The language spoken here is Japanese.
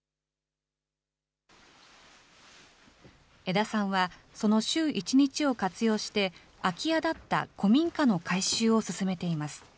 枝さんはその週１日を活用して、空き家だった古民家の改修を進めています。